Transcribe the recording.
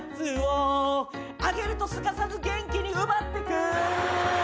「あげるとすかさず元気に奪ってく」